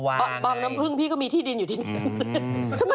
บางน้ำพื้นพี่ก็มีที่ดินอยู่ที่นั่งเล่น